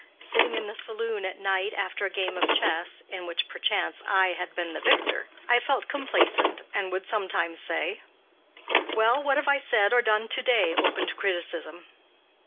Sitting in the saloon at night after a game of chess, in which, perchance, I had been the victor, I felt complacent and would sometimes say: "Well, what have I said or done to day open to criticism?"